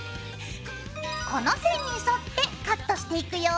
この線に沿ってカットしていくよ。